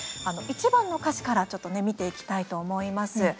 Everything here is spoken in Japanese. １番の歌詞からちょっと見ていきたいと思います。